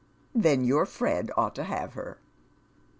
" Tlien your Fred ought to have her."